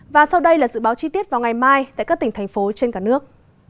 và sau đây là dự báo chi tiết vào ngày mai tại các tỉnh thành phố trên cả nước